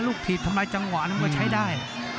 ลูกผีดทำไมจังหวะนั้นก็ใช้ได้